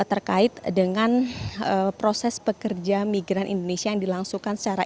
ini merupakan momen yang tepat untuk membahas tentang pekerja migran indonesia yaitu malaysia singapura dan kamboja